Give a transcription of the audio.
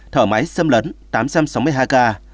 thở máy xâm lấn tám trăm sáu mươi hai ca